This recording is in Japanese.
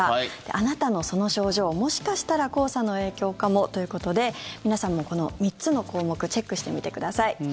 あなたのその症状もしかしたら黄砂の影響かもということで皆さんも、この３つの項目チェックしてみてください。